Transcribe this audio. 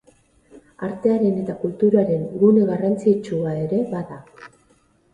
Artearen eta kulturaren gune garrantzitsua ere bada.